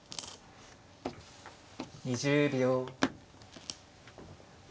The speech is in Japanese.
２０秒。